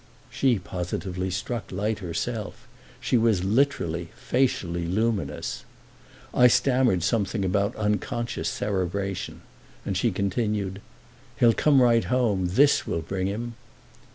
She positively struck light herself—she was literally, facially luminous. I stammered something about unconscious cerebration, and she continued: "He'll come right home—this will bring him."